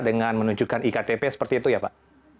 dengan menunjukkan iktp seperti itu ya pak